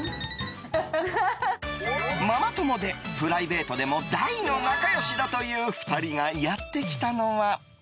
ママ友で、プライベートでも大の仲良しだという２人がやってきたのは。